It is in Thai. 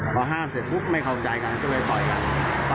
พอห้ามเสร็จปุ๊บไม่เข้าใจกันก็เลยต่อยกัน